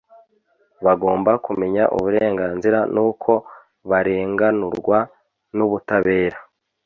bagomba kumenya uburenganzira n’uko barenganurwa n’ubutabera.